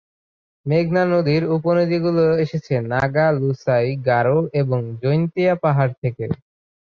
মেঘনা নদীর উপনদীগুলি এসেছে নাগা, লুসাই, গারো এবং জৈন্তিয়া পাহাড় থেকে।